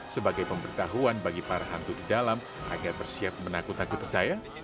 sebagai pemberitahuan bagi para hantu di dalam agar bersiap menakut takuti saya